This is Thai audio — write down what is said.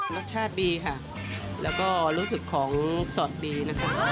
รสชาติดีค่ะแล้วก็รู้สึกของสดดีนะคะ